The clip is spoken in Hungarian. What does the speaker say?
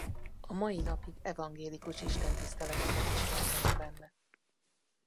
A mai napig evangélikus Istentiszteleteket is tartanak benne.